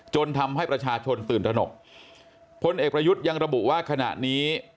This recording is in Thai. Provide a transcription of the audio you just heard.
จนทำให้ประชาชนตื่นตระหนกพลเอกประยุทธ์ยังระบุว่าขณะนี้